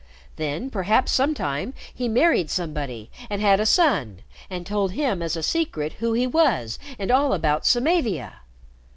Then perhaps sometime he married somebody and had a son, and told him as a secret who he was and all about Samavia."